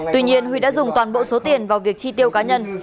tuy nhiên huy đã dùng toàn bộ số tiền vào việc chi tiêu cá nhân